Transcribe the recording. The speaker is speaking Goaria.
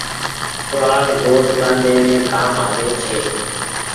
ٽووآل ڳوڏ ٻآڍيم ڪآم آوي ڇي۔